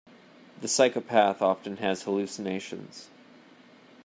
The psychopath often has hallucinations.